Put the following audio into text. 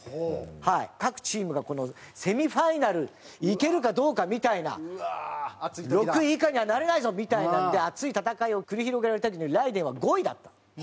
各チームがこのセミファイナルいけるかどうかみたいな６位以下にはなれないぞみたいなので熱い戦いを繰り広げてる時にＲＡＩＤＥＮ／雷電は５位だったの。